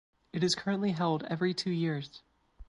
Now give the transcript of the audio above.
It is currently held every two years.